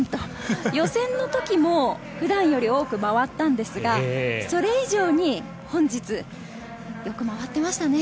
予選の時も普段より多く回ったのですが、それ以上に本日、よく回っていましたね。